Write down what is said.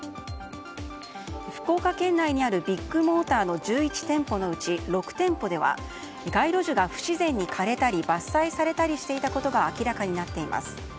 福岡県内にあるビッグモーターの１１店舗のうち６店舗では街路樹が不自然に枯れたり伐採されたりしていたことが明らかになっています。